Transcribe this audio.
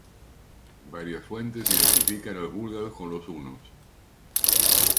Varias fuentes identifican a los búlgaros con los hunos.